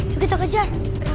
yuk kita kejar